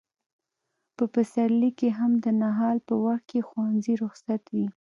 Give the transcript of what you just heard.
په پسرلي کې هم د نهال په وخت کې ښوونځي رخصت وي.